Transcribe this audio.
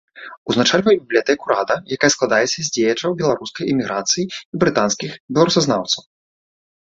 Узначальвае бібліятэку рада, якая складаецца з дзеячаў беларускай эміграцыі і брытанскіх беларусазнаўцаў.